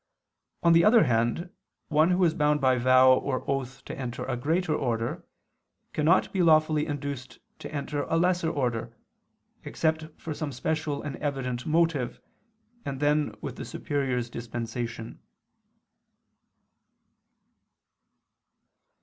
On the other hand, one who is bound by vow or oath to enter a greater order, cannot be lawfully induced to enter a lesser order, except for some special and evident motive, and then with the superior's dispensation.